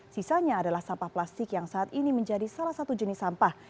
sisanya adalah sampah plastik yang saat ini menjadi salah satu jenis sampah